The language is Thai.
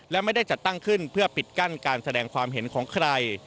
และไม่ได้จัดตั้งขึ้นเพื่อปิดกั้นการแสดงความเห็นของใคร